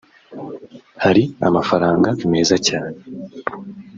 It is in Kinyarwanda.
hari amafaranga meza cyane